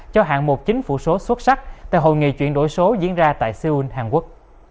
cho hạng một chính phủ số xuất sắc tại hội nghị chuyển đổi số diễn ra tại seoul hàn quốc